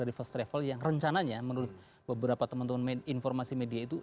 dari first travel yang rencananya menurut beberapa teman teman informasi media itu